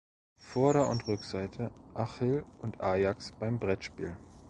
Vorder- und Rückseite: Achill und Ajax beim Brettspiel